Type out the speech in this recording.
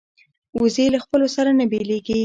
وزې له خپلو سره نه بیلېږي